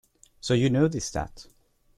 So you noticed that!